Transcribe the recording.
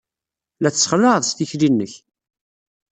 La tessexlaɛed s tikli-nnek.